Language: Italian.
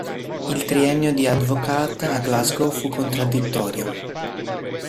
Il triennio di Advocaat a Glasgow fu contraddittorio.